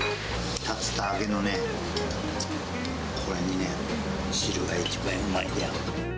竜田揚げのね、これにね、汁が一番うまいんだよ。